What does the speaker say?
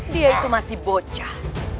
dia itu masih bocah